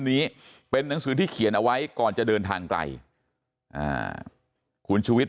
นี้เป็นหนังสือที่เขียนเอาไว้ก่อนจะเดินทางไกลคุณชุวิต